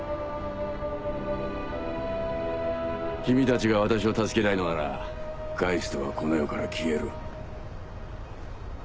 君たちが私を助けないのならガイストはこの世から消える。